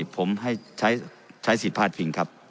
ผมให้ใช้สิทธิ์พลาดพิงครับ